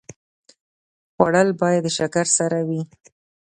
خوړل باید د شکر سره وي